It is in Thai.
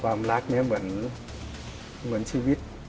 เพราะว่าความรักเนี่ยเหมือนชีวิต